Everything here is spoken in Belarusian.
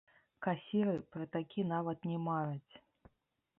Касіры пра такі нават не мараць!